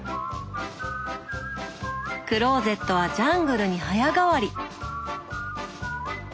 クローゼットはジャングルに早変わり。